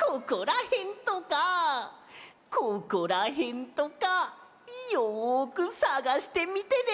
ここらへんとかここらへんとかよくさがしてみてね。